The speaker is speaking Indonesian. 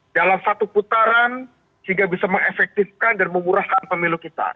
dalam satu putaran sehingga bisa mengefektifkan dan memurahkan pemilu kita